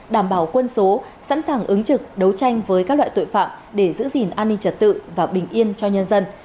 đảm bảo quân số sẵn sàng ứng trực đấu tranh với các loại tội phạm để giữ gìn an ninh trật tự và bình yên cho nhân dân